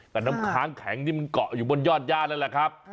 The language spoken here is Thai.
แต่น้ำค้างแข็งที่มันเกาะอยู่บนยอดย่านั่นแหละครับ